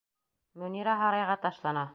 Мөнирә һарайға ташлана.